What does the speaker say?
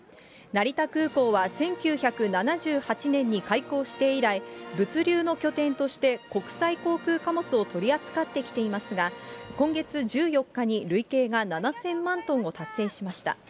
成田空港は１９７８年に開港して以来、物流の拠点として、国際航空貨物を取り扱ってきていますが、今月１４日に累計が７０００万トンを達成しました。